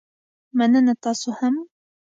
مننه، تاسو هم